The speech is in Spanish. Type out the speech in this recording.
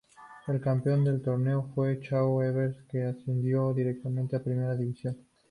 El campeón del torneo fue Chaco For Ever, que ascendió directamente a Primera División.